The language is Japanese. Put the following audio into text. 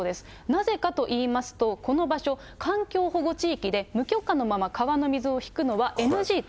なぜかといいますと、この場所、環境保護地域で、無許可のまま、川の水を引くのはＮＧと。